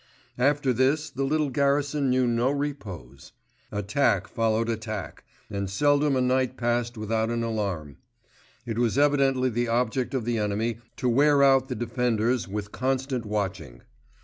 After this the little garrison knew no repose. Attack followed attack, and seldom a night passed without an alarm. It was evidently the object of the enemy to wear out the defenders with constant watching.